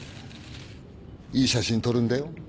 いい写真撮るんだよ。